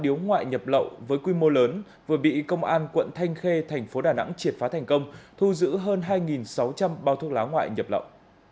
điếu ngoại nhập lậu với quy mô lớn vừa bị công an quận thanh khê thành phố đà nẵng triệt phá thành công thu giữ hơn hai sáu trăm linh bao thuốc lá ngoại nhập lậu